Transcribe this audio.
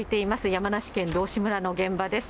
山梨県道志村の現場です。